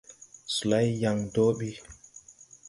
Solay yàŋ dɔɔ ɓi.